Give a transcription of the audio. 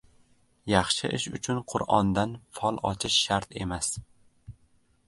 • Yaxshi ish uchun Qur’ondan fol ochish shart emas.